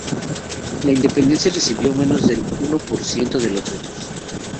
La independencia recibió menos del uno por ciento de los votos.